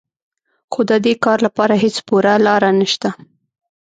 خو د دې کار لپاره هېڅ پوره لاره نهشته